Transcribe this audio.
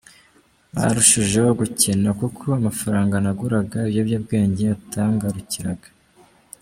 Nanarushijeho gukena kuko amafaranga naguraga ibiyobyabwenge atangarukiraga.